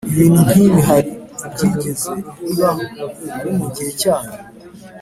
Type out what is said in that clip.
Ibintu nk’ibi hari ibyigeze bibaho, ari mu gihe cyanyu,